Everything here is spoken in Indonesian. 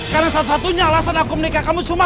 karena satu satunya alasan aku menikah kamu semua